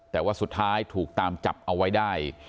แต่ว่าสุดท้ายถูกตามจับเอาไว้ได้